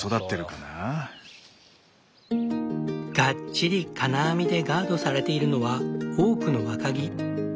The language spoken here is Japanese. がっちり金網でガードされているのはオークの若木。